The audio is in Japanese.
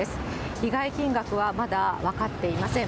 被害金額はまだ分かっていません。